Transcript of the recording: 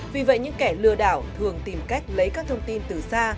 vì vậy những kẻ lừa đảo thường tìm cách lấy các thông tin từ xa